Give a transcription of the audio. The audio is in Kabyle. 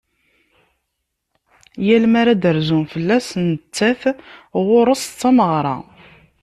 Yal mi ara d-rzun fell-as, nettat ɣur-s d tameɣra.